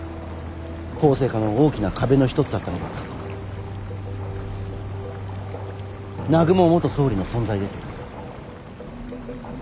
法制化の大きな壁の一つだったのが南雲元総理の存在です。